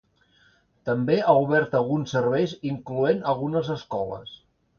També ha obert alguns serveis incloent algunes escoles.